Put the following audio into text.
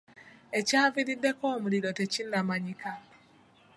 Ekyaviiriddeko omuliro tekinnamanyika.